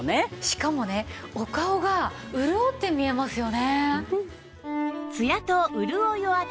しかもねお顔が潤って見えますよね。